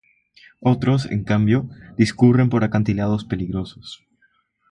Otros, en cambio, discurren por acantilados peligrosos.